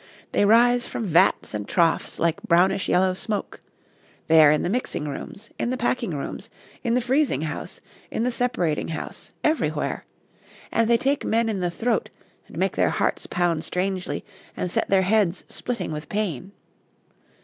They rise from vats and troughs like brownish yellow smoke; they are in the mixing rooms, in the packing rooms, in the freezing house, in the separating house, everywhere; and they take men in the throat, and make their hearts pound strangely, and set their heads splitting with pain.